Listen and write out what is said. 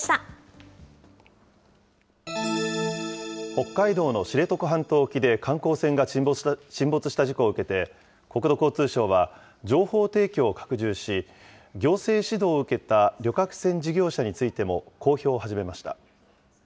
北海道の知床半島沖で観光船が沈没した事故を受けて、国土交通省は、情報提供を拡充し、行政指導を受けた旅客船事業者についても、公表を始めました。